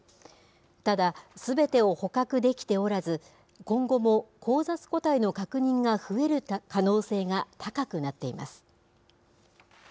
ただ、すべてを捕獲できておらず、今後も交雑個体の確認が増える可能性が高くなっています。